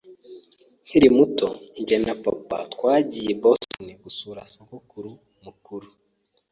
Nkiri muto, jye na papa twagiye i Boston gusura sogokuru mukuru.